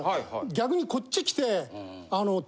逆にこっち来て。